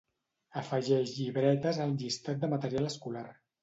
Afegeix llibretes al llistat de material escolar.